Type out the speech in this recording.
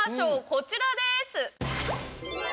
こちらです。